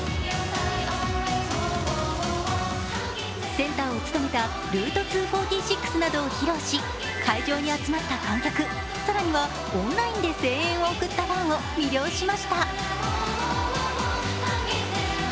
センターを務めた「Ｒｏｕｔｅ２４６」などを披露し、更にはオンラインで声援を送ったファンを魅了しました。